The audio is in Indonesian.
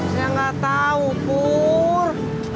saya gak tau pur